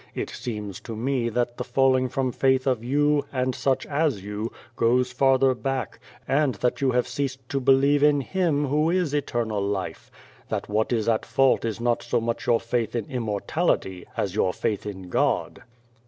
It seems to me that the falling from faith of you, and such as you, goes farther back, and that you have ceased to believe in Him who is Eternal Life that what is at fault is not so much your faith in immortality as your faith in God."